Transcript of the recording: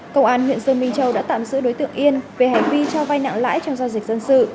công an huyện dương minh châu đã tạm giữ đối tượng yên về hành vi cho vay nạng lãi trong giao dịch dân sự